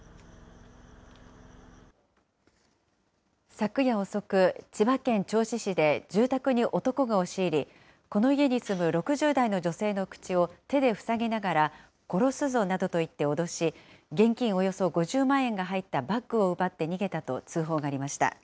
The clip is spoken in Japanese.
昨夜遅く、千葉県銚子市で住宅に男が押し入り、この家に住む６０代の女性の口を手で塞ぎながら殺すぞなどと言って脅し、現金およそ５０万円が入ったバッグを奪って逃げたと通報がありました。